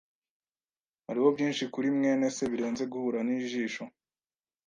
Hariho byinshi kuri mwene se birenze guhura nijisho.